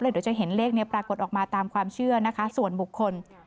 เดี๋ยวจะเห็นเลขนี้ปรากฏออกมาตามความเชื่อนะคะส่วนบุคคล